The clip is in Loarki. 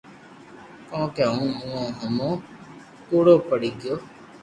ڪونڪھ ھون اووہ ھومو ڪوڙو پڙي گيو